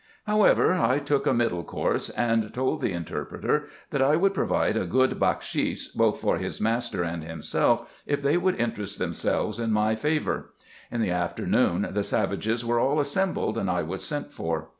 However, I took a middle course, and told the interpreter, that I would provide a good bakshis both for his master and himself, if they would interest themselves in my favour. In the afternoon the savages were all assembled, and I was sent for.